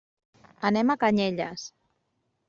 Anem a Canyelles.